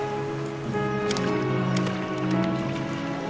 お！